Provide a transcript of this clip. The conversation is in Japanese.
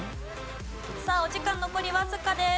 さあお時間残りわずかです。